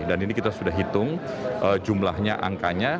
ini kita sudah hitung jumlahnya angkanya